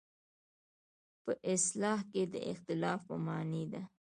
په اصطلاح کې د اختلاف په معنی ده.